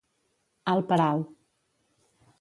Alt per alt.